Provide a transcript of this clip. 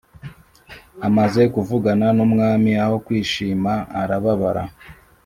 amaze kuvugana n'umwami aho kwishima arababara